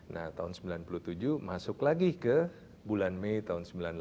nah tahun sembilan puluh tujuh masuk lagi ke bulan mei tahun sembilan puluh delapan